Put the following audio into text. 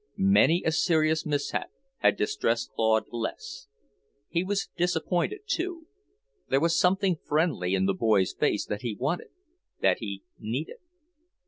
Many a serious mishap had distressed Claude less. He was disappointed, too. There was something friendly in the boy's face that he wanted... that he needed.